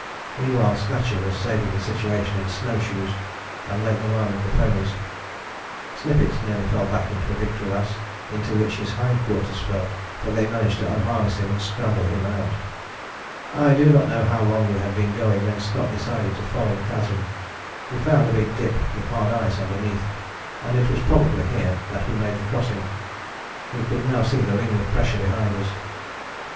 Meanwhile Snatcher was saving the situation in snow shoes, and led the line of ponies. Snippets nearly fell back into a big crevasse, into which his hind quarters fell: but they managed to unharness him, and scramble him out. I do not know how long we had been going when Scott decided to follow the chasm. We found a big dip with hard ice underneath, and it was probably here that we made the crossing: we could now see the ring of pressure behind us.